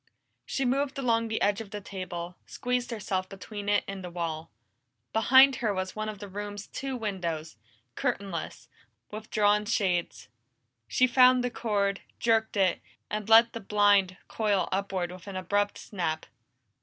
She moved along the edge of the table, squeezed herself between it and the wall. Behind her was one of the room's two windows, curtainless, with drawn shades. She found the cord, jerked it, and let the blind coil upward with an abrupt snap.